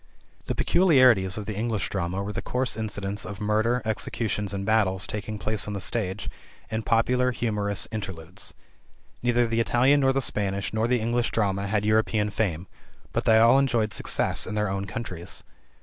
The peculiarities of the English drama were the coarse incidents of murders, executions, and battles taking place on the stage, and popular, humorous interludes. Neither the Italian nor the Spanish nor the English drama had European fame, but they all enjoyed success in their own countries.